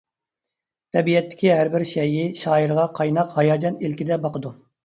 تەبىئەتتىكى ھەربىر شەيئى شائىرغا قايناق ھاياجان ئىلكىدە باقىدۇ.